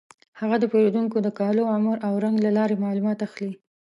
هغه د پیریدونکو د کالو، عمر او رنګ له لارې معلومات اخلي.